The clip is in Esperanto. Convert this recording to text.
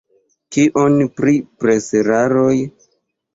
Kion pri preseraroj?